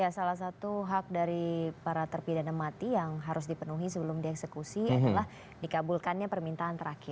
ya salah satu hak dari para terpidana mati yang harus dipenuhi sebelum dieksekusi adalah dikabulkannya permintaan terakhir